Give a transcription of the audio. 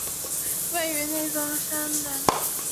位于内藏山南麓。